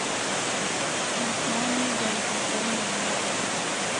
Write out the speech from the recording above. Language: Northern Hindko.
اسمان اس جائی تو کول لگدا اے۔